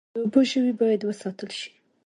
د اوبو ژوي باید وساتل شي